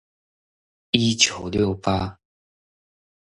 一九六八